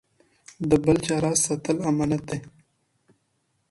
د بل چا راز ساتل امانت دی.